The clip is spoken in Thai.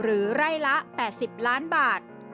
หรือไร่ละ๘๐ล้านบาท